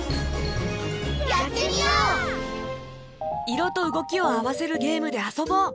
いろとうごきをあわせるゲームであそぼう！